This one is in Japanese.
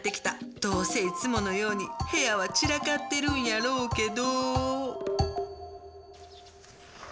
どうせ、いつものように部屋は散らかってるんやろうけど。